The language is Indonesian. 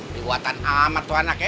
liwatan amat tuh anaknya